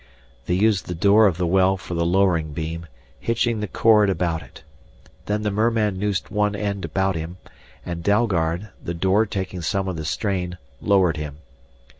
They used the door of the well for the lowering beam, hitching the cord about it. Then the merman noosed one end about him, and Dalgard, the door taking some of the strain, lowered him.